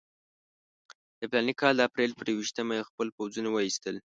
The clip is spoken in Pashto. د فلاني کال د اپرېل پر یوویشتمه یې خپل پوځونه وایستل.